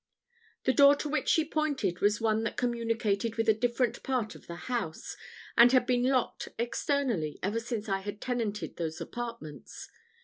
The door to which she pointed was one that communicated with a different part of the house, and had been locked externally ever since I had tenanted those apartments.